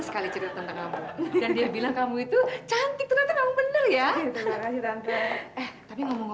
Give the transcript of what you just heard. kayaknya lu bangga